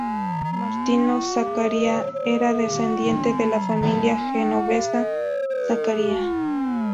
Martino Zaccaria era descendiente de la familia genovesa Zaccaria.